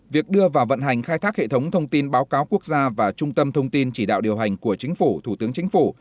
việc đưa vào vận hành khai thác hệ thống thông tin báo cáo quốc gia và trung tâm thông tin chỉ đạo điều hành của chính phủ thủ tướng chính phủ